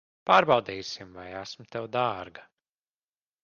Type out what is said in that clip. Pārbaudīsim, vai esmu tev dārga.